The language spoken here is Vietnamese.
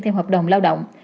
theo hợp đồng lao động